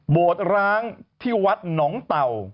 โดดร้างที่วัดหนองเต่า